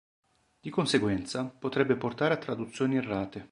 Di conseguenza, potrebbe portare a traduzioni errate.